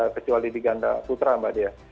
kecuali di ganda putra mbak dea